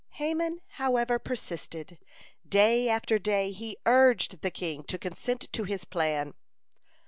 Haman, however, persisted. Day after day he urged the king to consent to his plan.